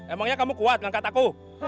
emangnya kamu kuat langkat aku